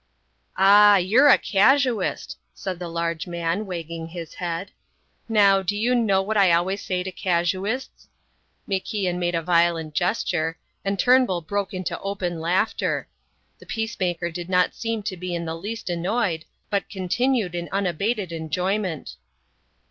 "Ah, you're a casuist!" said the large man, wagging his head. "Now, do you know what I always say to casuists...?" MacIan made a violent gesture; and Turnbull broke into open laughter. The peacemaker did not seem to be in the least annoyed, but continued in unabated enjoyment.